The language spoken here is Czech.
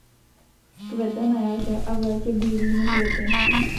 Kvete na jaře a v létě bílými květy.